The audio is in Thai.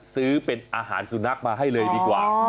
ซื้อเป็นอาหารสุนัขมาให้เลยดีกว่า